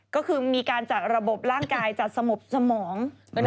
ก็คือมีการจัดระบบร่างกายจัดสงบสมอง